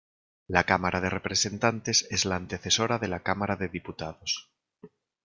La Cámara de Representantes es la antecesora de la Cámara de Diputados.